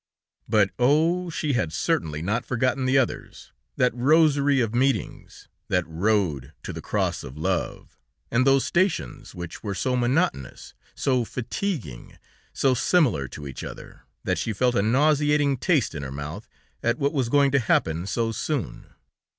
But, oh! she had certainly not forgotten the others, that rosary of meetings, that road to the cross of love, and those stations, which were so monotonous, so fatiguing, so similar to each other, that she felt a nauseating taste in her mouth at what was going to happen so soon.